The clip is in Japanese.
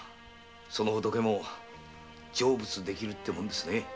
その仏も成仏できるってもんですね。